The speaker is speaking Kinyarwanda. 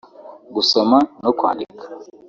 gusoma no kwandika